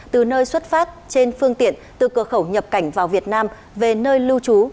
từ nơi xuất phát trên phương tiện từ cửa khẩu nhập cảnh vào việt nam về nơi lưu trú